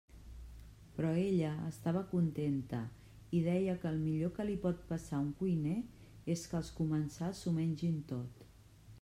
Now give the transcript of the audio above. Però ella estava contenta i deia que el millor que li pot passar a un cuiner és que els comensals s'ho mengin tot.